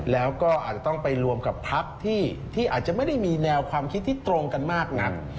แล้วก็อาจจะต้องไปรวมกับพักที่อาจจะไม่ได้มีแนวความคิดที่ตรงกันมากนัก